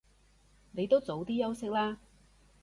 你都早啲休息啦